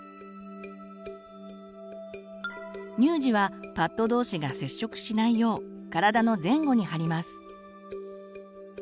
乳児はパッドどうしが接触しないよう体の前後に貼ります。